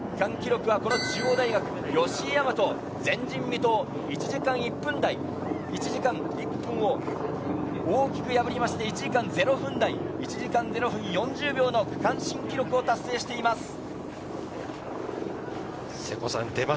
区間記録は中央大学・吉居大和、前人未到、１時間１分を大きく破りまして１時間０分台、１時間０分４０秒の区間新記録を達成しています。